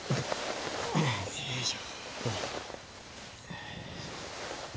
よいしょ。